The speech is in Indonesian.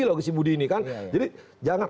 loh si budi ini kan jadi jangan